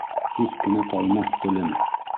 Һис кенә талмаҫ телем.